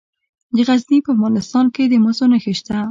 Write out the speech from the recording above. د غزني په مالستان کې د مسو نښې شته.